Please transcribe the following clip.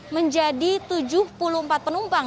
menjadi tujuh puluh empat penumpang